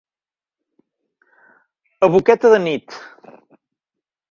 A boqueta de nit.